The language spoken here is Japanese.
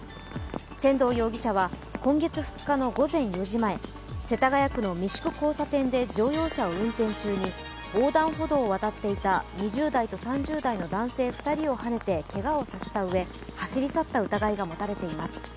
仙道容疑者は今月２日の午前４時前、世田谷区の三宿交差点で乗用車を運転中に横断歩道を渡っていた２０代と３０代の男性２人をはねてけがをさせたうえ、走り去った疑いが持たれています。